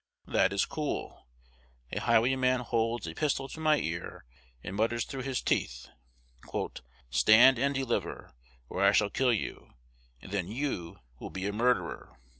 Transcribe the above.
That is cool. A highwayman holds a pistol to my ear, and mutters through his teeth, "Stand and deliver, or I shall kill you; and then you will be a murderer!"